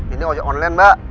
ini wajah online mbak